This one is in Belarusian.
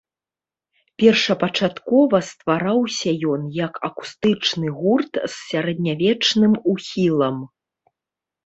Першапачаткова ствараўся ён як акустычны гурт з сярэднявечным ухілам.